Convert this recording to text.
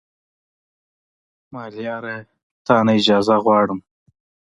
ملیاره تا نه اجازه غواړم